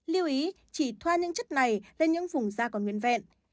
lưu ý chỉ thoa những chất này lên những vùng da còn nguyên vẹn